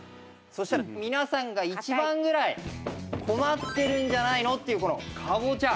そしたら皆さんが一番ぐらい困ってるんじゃないの？っていうこのカボチャ。